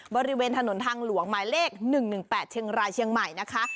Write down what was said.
บริเวณถนนทางหลวงหมายเลข๑๑๘เชียงรายเชียงใหม่นะคะ